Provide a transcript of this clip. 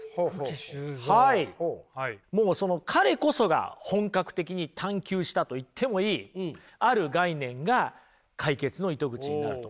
もう彼こそが本格的に探求したと言ってもいいある概念が解決の糸口になると。